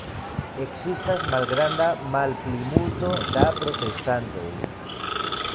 Ekzistas malgranda malplimulto da protestantoj.